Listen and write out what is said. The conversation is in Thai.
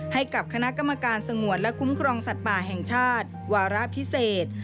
ให้กับคณะกรรมการสงวนและคุ้มครองสัตว์ป่าแห่งชาติวาระพิเศษ